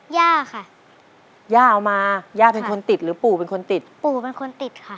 ย่าค่ะย่าเอามาย่าเป็นคนติดหรือปู่เป็นคนติดปู่เป็นคนติดค่ะ